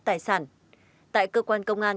tài sản tại cơ quan công an